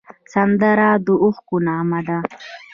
سندره د اوښکو نغمه ده